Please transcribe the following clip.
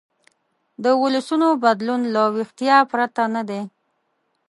د ولسونو بدلون له ویښتیا پرته نه دی.